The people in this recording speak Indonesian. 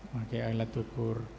pakai alat ukur